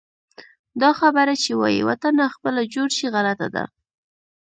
دا خبره چې وایي: وطنه خپله جوړ شي، غلطه ده.